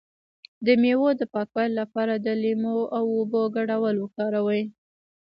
د میوو د پاکوالي لپاره د لیمو او اوبو ګډول وکاروئ